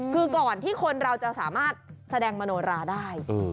คือก่อนที่คนเราจะสามารถแสดงมโนราได้